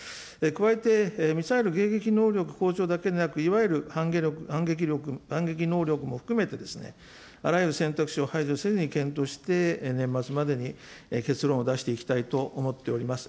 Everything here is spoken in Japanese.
加えてミサイル迎撃能力向上だけでなく、いわゆる反撃能力も含めて、あらゆる選択肢を排除せずに検討して年末までに結論を出していきたいと思っております。